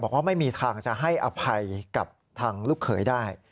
บอกว่าไม่มีทางจะให้อภัยกับทางลูกเขยได้